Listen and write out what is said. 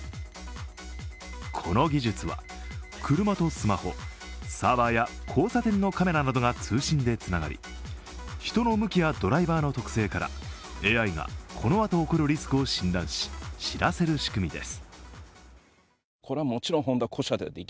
この技術は、車とスマホ、サーバーや交差点のカメラなどが通信でつながり人の向きやドライバーの特性からＡＩがこのあと起こるリスクを診断し、知らせる仕組みです。